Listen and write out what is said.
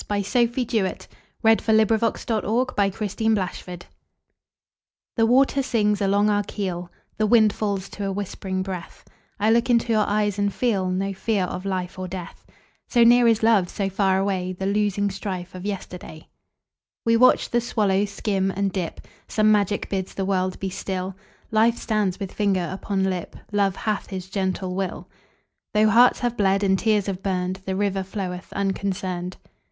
An American Anthology, 1787–1900. 1900. By SophieJewett 1502 Armistice THE WATER sings along our keel, The wind falls to a whispering breath;I look into your eyes and feelNo fear of life or death; So near is love, so far awayThe losing strife of yesterday. We watch the swallow skim and dip; Some magic bids the world be still; Life stands with finger upon lip; Love hath his gentle will; Though hearts have bled, and tears have burned, The river floweth unconcerned.